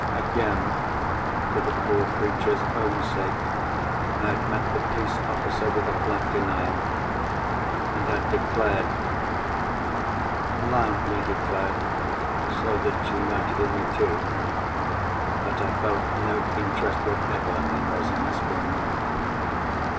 Again for the poor creature's own sake, I had met the police officer with a flat denial, and had declared—loudly declared, so that she might hear me too—that I felt "no interest whatever in Rosanna Spearman."